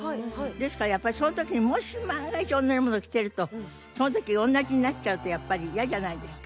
ですからやっぱりその時にもし万が一同じものを着てるとその時同じになっちゃうとやっぱり嫌じゃないですか。